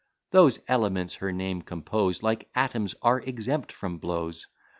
Those elements her name compose, Like atoms, are exempt from blows.